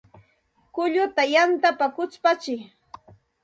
Kulluta yantapa kuchpatsiy